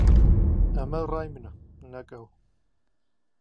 ئەمە ڕای منە، نەک ئەو.